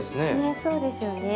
そうですよね。